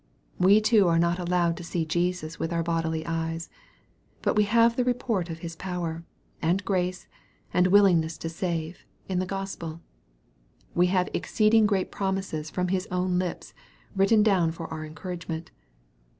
We too are not allowed to see Jesus with our bodily eyes. But we have the report of His power, and grace, and willingness to save, in the Gospel. We have exceeding great promises from His own lips, written down for our encouragement.